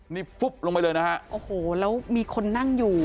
นี่ฟุ๊บลงไปเลยนะฮะโอ้โหแล้วมีคนนั่งอยู่